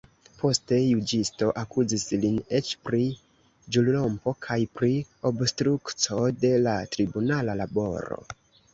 Poste, juĝisto akuzis lin eĉ pri ĵurrompo kaj pri obstrukco de la tribunala laboro.